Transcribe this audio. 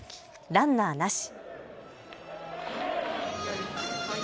ランナーなし。